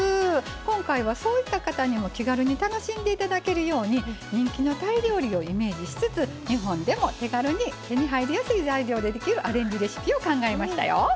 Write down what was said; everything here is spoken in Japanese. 今回はそういった方にも気軽に楽しんでいただけるように人気のタイ料理をイメージしつつ日本でも手軽に手に入りやすい材料でできるアレンジレシピを考えましたよ。